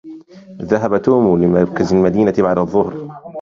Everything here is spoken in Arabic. ذهب توم لمركز المدينة بعد الظهر.